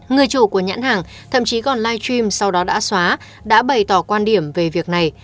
người chủ của nhãn hàng thậm chí còn live stream sau đó đã xóa đã bày tỏ quan điểm về việc này